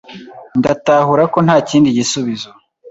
Ndatahura ko ntakindi gisubizo